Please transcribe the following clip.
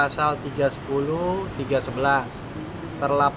untuk mencari keadilan kita harus mengambil keterangan yang terbaik